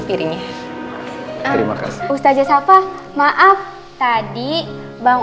terima kasihu menonton